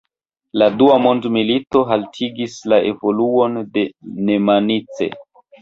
La dua mondmilito haltigis la evoluon de Nemanice.